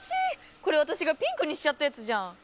これわたしがピンクにしちゃったやつじゃん。